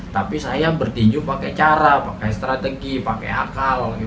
tapi saya bertinju pakai cara pakai strategi pakai akal